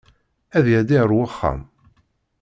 Ad iɛeddi ar wexxam.